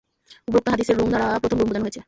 উপরোক্ত হাদীসে রূম দ্বারা প্রথম রূম বুঝানো হয়েছে।